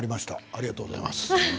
ありがとうございます。